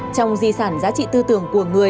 trong di sản giá trị tư tưởng của người